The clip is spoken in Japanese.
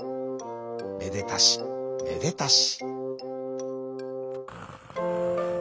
めでたしめでたし。